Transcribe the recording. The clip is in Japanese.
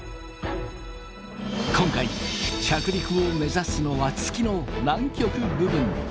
今回着陸を目指すのは月の南極部分。